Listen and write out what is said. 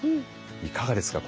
いかがですか？